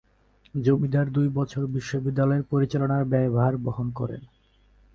জমিদার দুই বছর বিদ্যালয়ের পরিচালনার ব্যয়ভার বহন করেন।